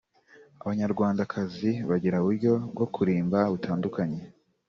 Abanyarwandakazi bagira uburyo bwo kurimba butandukanye